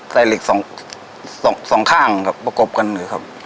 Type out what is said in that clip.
ใส่เหล็กสองข้างครับประกบกันเลยครับ